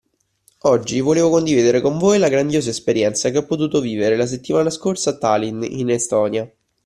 Oggi volevo condividere con voi la grandiosa esperienza che ho potuto vivere la settimana scorsa a Tallinn in Estonia.